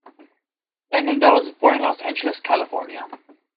Engdahl was born in Los Angeles, California.